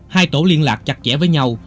hai tổ liên lạc chặt chẽ với nhau